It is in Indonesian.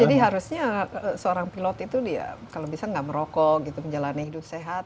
jadi harusnya seorang pilot itu kalau bisa tidak merokok menjalani hidup sehat